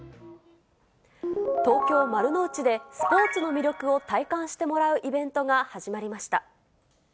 東京・丸の内で、スポーツの魅力を体感してもらうイベントが始まりました。